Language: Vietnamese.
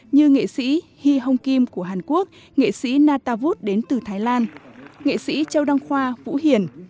như nghệ sĩ hi hong kim của hàn quốc nghệ sĩ natavut đến từ thái lan nghệ sĩ châu đăng khoa vũ hiền